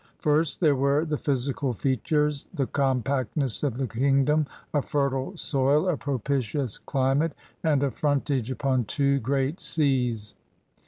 First there were the physical features, the com pactness of the kingdom, a fertile soil, a propitious climate, and a frontage upon two great seas.